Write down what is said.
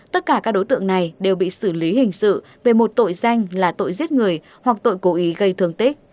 tất cả các đối tượng này đều bị xử lý hình sự về một tội danh là tội giết người hoặc tội cố ý gây thương tích